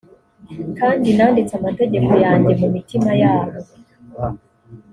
kandi nanditse amategeko yanjye mu mitima yabo